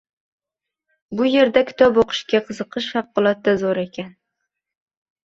Bu yerda kitob oʻqishga qiziqish favqulodda zoʻr ekan